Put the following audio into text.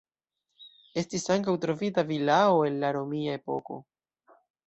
Estis ankaŭ trovita vilao el la romia epoko.